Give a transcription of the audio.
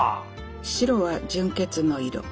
白は純潔の色。